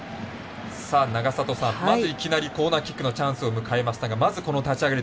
永里さん、まずいきなりコーナーキックのチャンスを迎えましたがこの立ち上がり